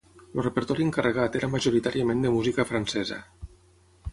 El repertori encarregat era majoritàriament de música francesa.